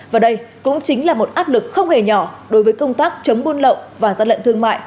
và đây cũng chính là một áp lực không hề nhỏ đối với công tác chống buôn lậu và gian lận thương mại